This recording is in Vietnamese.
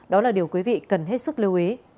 đó là điều quý vị cần hết sức lưu ý